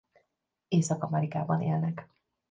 Észak-Amerikában élnek.